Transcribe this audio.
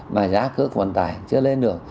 mà giá cước vận tải chưa lên được